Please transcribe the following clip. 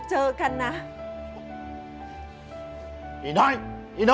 ฉันขอแค่อย่างเดียว